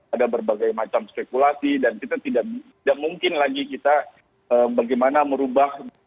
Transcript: ada berbagai macam spekulasi dan kita tidak mungkin lagi kita bagaimana merubah